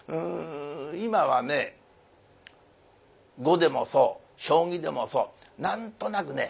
今はね碁でもそう将棋でもそう何となくね